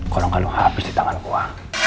kalau gak lu habis di tangan gua